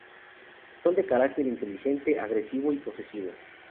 Son de carácter inteligente, agresivo y posesivo.